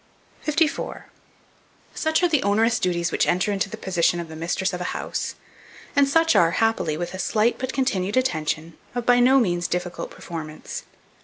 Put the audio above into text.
54. SUCH ARE THE ONEROUS DUTIES which enter into the position of the mistress of a house, and such are, happily, with a slight but continued attention, of by no means difficult performance.